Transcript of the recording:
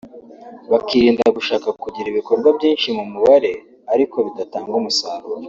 bakirinda gushaka kugira ibikorwa byinshi mu mubare ariko bidatanga umusaruro